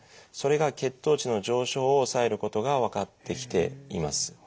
それが血糖値の上昇を抑えることが分かってきています。